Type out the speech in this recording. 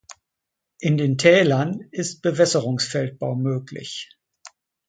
In den Tälern ist Bewässerungsfeldbau möglich.